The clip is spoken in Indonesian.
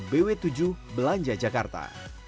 bw tujuh belanja jakarta